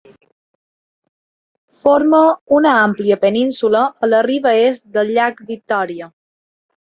Forma una àmplia península a la riba est del llac Victòria.